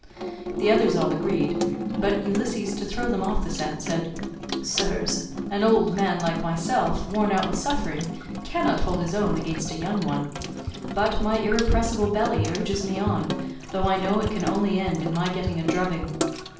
The others all agreed, but Ulysses, to throw them off the scent, said, "Sirs, an old man like myself, worn out with suffering, cannot hold his own against a young one; but my irrepressible belly urges me on, though I know it can only end in my getting a drubbing.